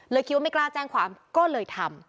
คิดว่าไม่กล้าแจ้งความก็เลยทำ